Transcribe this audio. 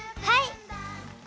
はい。